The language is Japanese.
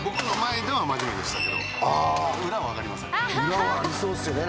裏はありそうですよね。